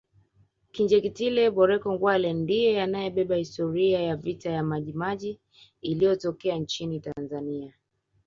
Kinjekitile Bokero Ngwale ndiye anayebeba historia ya vita vya majimaji iliyotokea nchini Tanzania